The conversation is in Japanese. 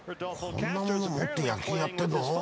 こんなもの持って野球やってんの？